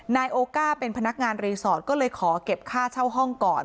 นายโอก้าเป็นพนักงานรีสอร์ทก็เลยขอเก็บค่าเช่าห้องก่อน